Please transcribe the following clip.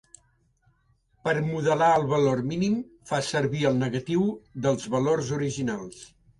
Per modelar el valor mínim, fa servir el negatiu dels valors originals.